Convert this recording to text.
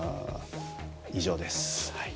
以上です。